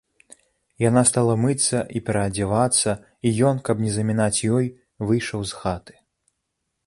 Яна стала мыцца і пераадзявацца, і ён, каб не замінаць ёй, выйшаў з хаты.